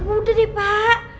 udah deh pak